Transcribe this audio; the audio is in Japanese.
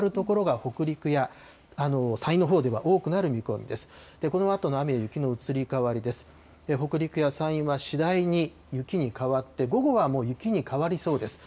北陸や山陰は次第に雪に変わって、午後はもう雪に変わりそうです。